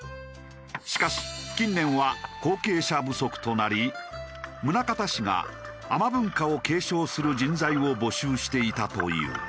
しかし近年は後継者不足となり宗像市が海女文化を継承する人材を募集していたという。